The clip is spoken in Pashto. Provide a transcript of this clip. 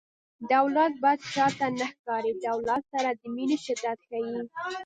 د اولاد بد چاته نه ښکاري د اولاد سره د مینې شدت ښيي